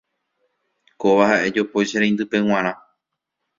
Kóva ha'e jopói che reindýpe g̃uarã.